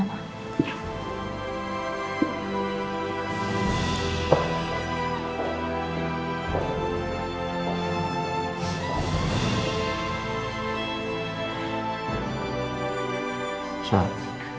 sebentar ya pak